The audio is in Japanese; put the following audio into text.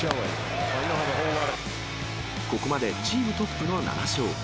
ここまでチームトップの７勝。